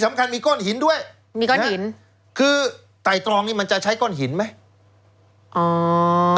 สำคัญมีก้อนหินด้วยคือตายตรองนี่มันจะใช้ก้อนหินไหม